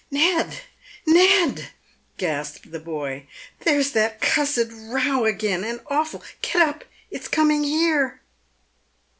"Ned! Ned!" gasped the boy, "there's that cussed row again, and awful. Get up — it's coming here."